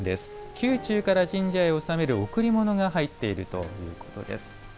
宮中から神社へ納める贈り物が入っているということです。